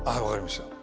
分かりました。